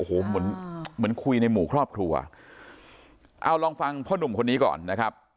โอ้โหเหมือนเหมือนคุยในหมู่ครอบครัวเอาลองฟังพ่อหนุ่มคนนี้ก่อนนะครับ